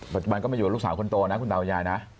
มันก็มาอยู่กับลูกสาวคนโตนะคุณตาคุณยายนะ